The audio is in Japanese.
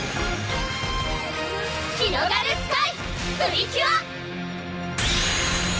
ひろがるスカイ！プリキュア！